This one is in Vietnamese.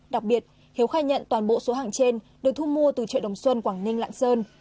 đặc biệt hiếu khai nhận toàn bộ số hàng trên được thu mua từ chợ đồng xuân quảng ninh lạng sơn